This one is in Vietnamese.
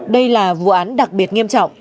đây là vụ án đặc biệt nghiêm trọng